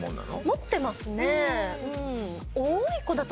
持ってますね。